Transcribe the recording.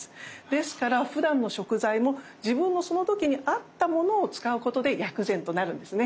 ですからふだんの食材も自分のその時に合ったものを使うことで薬膳となるんですね。